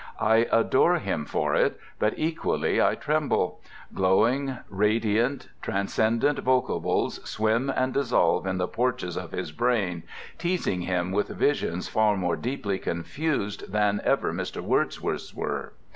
I adore him for it, but equally I tremble. Glowing, radiant, transcendent vocables swim and dissolve in the porches of his brain, teasing him with visions far more deeply confused than ever Mr. Wordsworth's were.